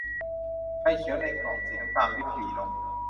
ไฟเขียวในกล่องสีน้ำตาลริบหรี่ลง